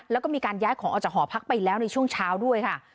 แล้วก็มีการย้ายของออกจากหอพักไปแล้วในช่วงเช้าด้วยค่ะ